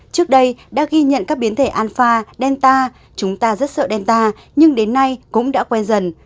trước đây đã ghi nhận các biến thể alpha delta chúng ta rất sợ delta nhưng đến nay cũng đã quen dần